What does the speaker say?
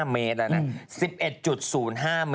๑๑๐๕เมตร